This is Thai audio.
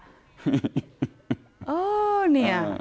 ป้าอันนาบอกว่าตอนนี้ยังขวัญเสียค่ะไม่พร้อมจะให้ข้อมูลอะไรกับนักข่าวนะคะ